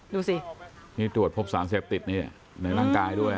ดูสินี่ตรวจพบสารเสพติดนี่ในร่างกายด้วย